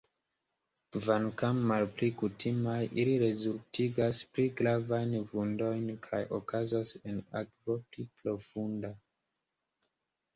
Kvankam malpli kutimaj, ili rezultigas pli gravajn vundojn kaj okazas en akvo pli profunda.